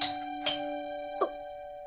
あっ！